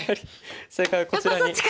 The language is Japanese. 正解はこちらに。